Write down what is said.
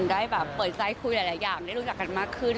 ได้แบบเปิดใจคุยหลายอย่างได้รู้จักกันมากขึ้น